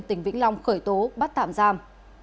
tình vĩnh long khởi tố bắt tạm giam